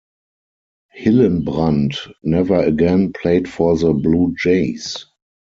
Hillenbrand never again played for the Blue Jays.